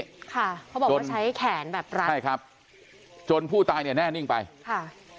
ค่ะเขาบอกว่าใช้แขนแบบรัดใช่ครับจนผู้ตายเนี่ยแน่นิ่งไปค่ะ